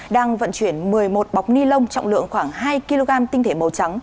đang vận chuyển một mươi một bọc ni lông trọng lượng khoảng hai kg tinh thể màu trắng